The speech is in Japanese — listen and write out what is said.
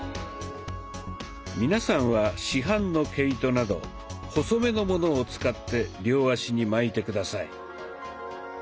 皆さんは市販の毛糸など細めのものを使って両足に巻いて下さい。